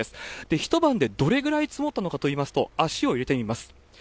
一晩でどれぐらい積もったのかといいますと、足を入れてみます。